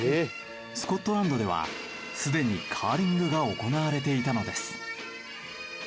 スコットランドではすでにカーリングが行われていたのです。